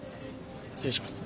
失礼します。